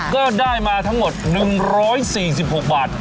ก็ได้มาทั้งหมด๑๔๖บาท